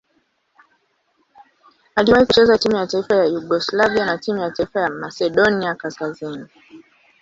Aliwahi kucheza timu ya taifa ya Yugoslavia na timu ya taifa ya Masedonia Kaskazini.